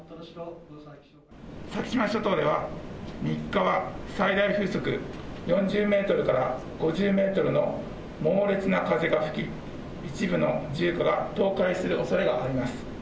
先島諸島では、３日は最大風速４０メートルから５０メートルの猛烈な風が吹き、一部の住居が倒壊するおそれがあります。